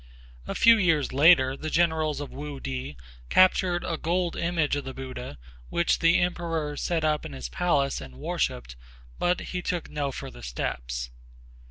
A few years later the generals of Wu Ti captured a gold image of the Buddha which the emperor set up in his palace and worshiped, but he took no further steps.